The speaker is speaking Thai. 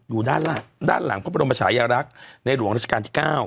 อยู่ด้านหลังด้านหลังพระบรมชายรักษณ์ในหลวงราชกาลที่๙